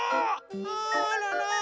あらら。